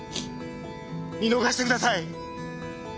見逃してください。